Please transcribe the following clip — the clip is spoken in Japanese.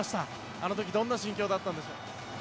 あの時どんな心境だったんでしょう？